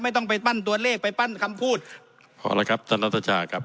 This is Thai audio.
ต้องไปปั้นตัวเลขไปปั้นคำพูดพอละครับท่านรัฐชาครับ